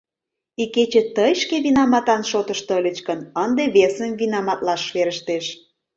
Икече тый шке винаматан шотышто ыльыч гын, ынде весым винаматлаш верештеш...